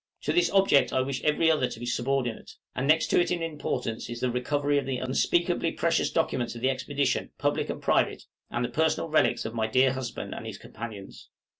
To this object I wish every other to be subordinate; and next to it in importance is the recovery of the unspeakably precious documents of the expedition, public and private, and the personal relics of my dear husband and his companions.